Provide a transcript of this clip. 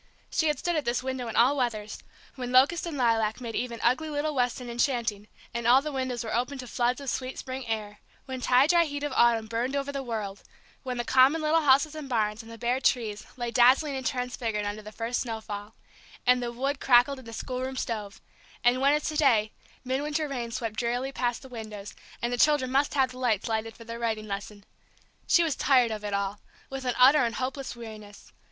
She had stood at this window in all weathers: when locust and lilac made even ugly little Weston enchanting, and all the windows were open to floods of sweet spring air; when tie dry heat of autumn burned over the world; when the common little houses and barns, and the bare trees, lay dazzling and transfigured under the first snowfall, and the wood crackled in the schoolroom stove; and when, as to day, midwinter rains swept drearily past the windows, and the children must have the lights lighted for their writing lesson. She was tired of it all, with an utter and hopeless weariness.